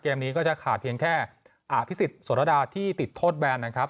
เกมนี้ก็จะขาดเพียงแค่อาพิสิทธิ์โสรดาที่ติดโทษแบรนด์นะครับ